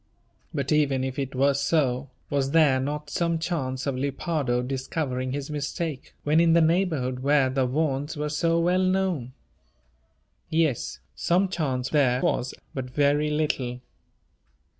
But even if it were so, was there not some chance of Lepardo discovering his mistake, when in the neighbourhood where the Vaughans were so well known? Yes, some chance there was, but very little.